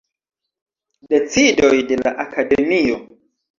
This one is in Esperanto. Decidoj de la Akademio.